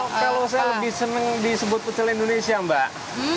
kalau saya lebih senang disebut pecel indonesia mbak